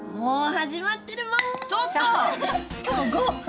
しかも５。